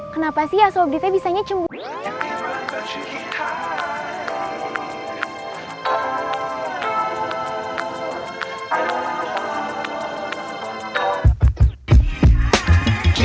kenapa sih ya sobri fai bisanya cemburu